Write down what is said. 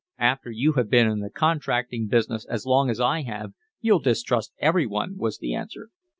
"After you have been in the contracting business as long as I have you'll distrust every one," was the answer.